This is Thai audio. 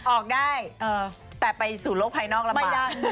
ออกได้แต่ไปสู่โรคภัยนอกละบัด